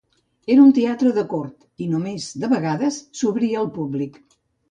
Era un teatre de cort, i només de vegades s'obria al públic.